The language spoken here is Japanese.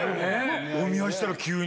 お見合いしたら、急に。